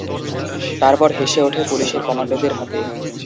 তারপর হেসে ওঠে পুলিশ কমান্ডোদের হাতে।